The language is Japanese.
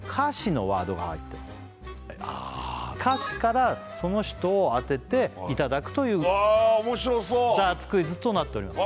歌詞からその人を当てていただくというダーツクイズとなっております